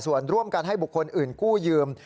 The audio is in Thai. ส่วนร่วมกันให้บุคคลอื่นกู้ยืม